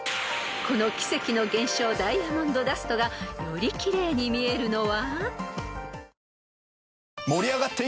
［この奇跡の現象ダイヤモンドダストがより奇麗に見えるのは？］